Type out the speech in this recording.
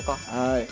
はい。